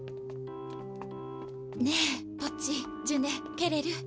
ねえポッチジュネケレル。